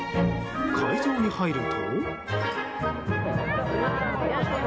会場に入ると。